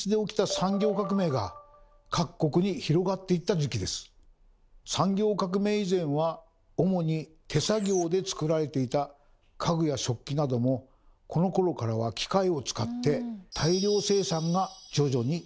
産業革命以前は主に手作業で作られていた家具や食器などもこのころからは機械を使って大量生産が徐々にできるようになりました。